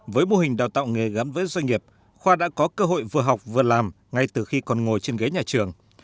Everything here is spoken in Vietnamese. với mô hình đào tạo nghề gắn với doanh nghiệp khoa đã có cơ hội vừa học vừa làm ngay từ khi còn ngồi trên ghế nhà trường